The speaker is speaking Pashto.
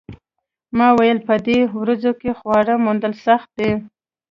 ما وویل په دې ورځو کې خواړه موندل سخت دي